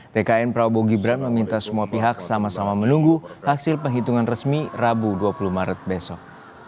tkn prabowo gibran meminta semua pihak sama sama menunggu hasil penghitungan resmi rabu dua puluh maret besok